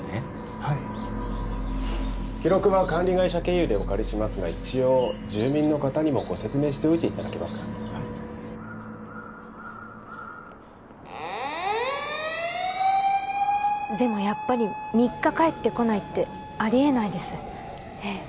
はい記録は管理会社経由でお借りしますが一応住民の方にもご説明しておいていただけますかはいでもやっぱり３日帰ってこないってありえないですええ